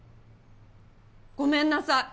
ごめんなさい！